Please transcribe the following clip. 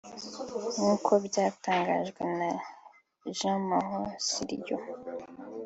nk’uko byatangajwe na Njamahoro Siliro